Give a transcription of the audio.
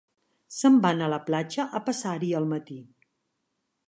Se'n van a la platja a passar-hi el matí.